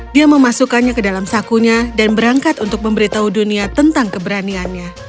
dia memasukkannya ke dalam sakunya dan berangkat untuk memberitahu dunia tentang keberaniannya